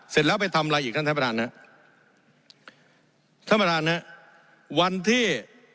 เสร็จแล้วไปทำอะไรอีกท่านท่านประธานฮะท่านประธานฮะวันที่